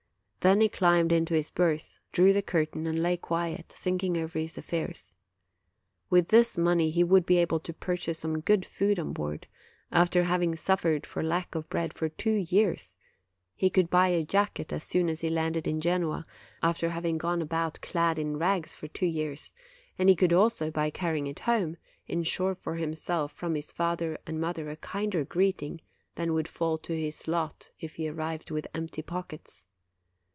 Then he climbed into his berth, drew the curtain, and lay quiet, thinking over his affairs. With this money he would be able to purchase some good food on board, after having suffered for lack of bread for two years; he THE LITTLE PATRIOT OF PADUA 21 could buy a jacket as soon as he landed in Genoa, after having gone about clad in rags for two years ; and he could also, by carrying it home, insure for himself from his father and mother a kinder greeting than would fall to his lot if he arrived with empty pockets.